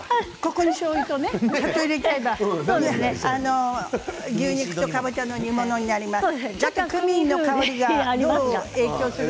ここにしょうゆを入れちゃえば牛肉とかぼちゃの煮物になります。